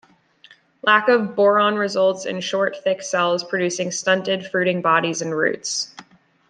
Lack of boron results in short thick cells producing stunted fruiting bodies and roots.